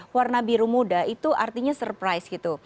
warna biru muda itu artinya surprise gitu